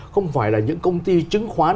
không phải là những công ty chứng khoán